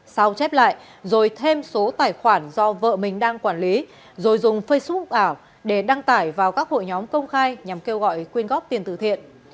sau chép lại rồi thêm số tài khoản do vợ mình đang quản lý rồi dùng facebook ảo để đăng tải vào các hội nhóm công khai nhằm kêu gọi quyên góp tiền tử thiện